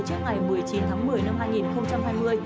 trước ngày một mươi chín tháng một mươi năm hai nghìn hai mươi